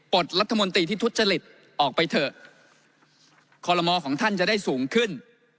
ดรัฐมนตรีที่ทุจริตออกไปเถอะคอลโมของท่านจะได้สูงขึ้น